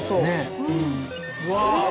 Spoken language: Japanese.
うわ！